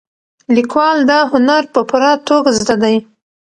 لیکوال دا هنر په پوره توګه زده دی.